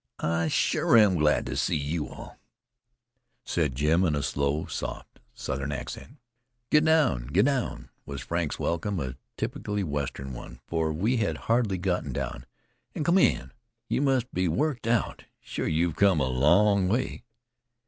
"I shore am glad to see you all," said Jim, in slow, soft, Southern accent. "Get down, get down," was Frank's welcome a typically Western one, for we had already gotten down; "an' come in. You must be worked out. Sure you've come a long way."